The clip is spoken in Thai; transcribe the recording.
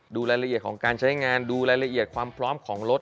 ดูรายละเอียดของการใช้งานดูรายละเอียดความพร้อมของรถ